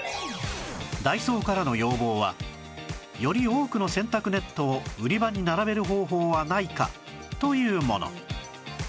ダイソーからの要望は「より多くの洗濯ネットを売り場に並べる方法はないか？」というもの